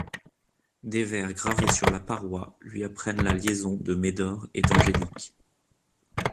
Des vers gravés sur la paroi lui apprennent la liaison de Médor et d'Angélique.